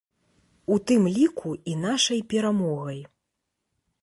У тым ліку і нашай перамогай.